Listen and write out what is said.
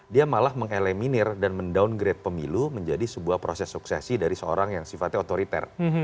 dia malah mengeleminir dan mendowngrade pemilu menjadi sebuah proses suksesi dari seorang yang sifatnya otoriter